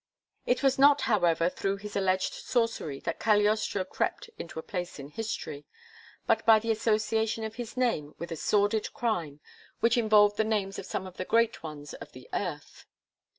It was not, however, through his alleged sorcery that Cagliostro crept into a place in history; but by the association of his name with a sordid crime which involved the names of some of the great ones of the earth.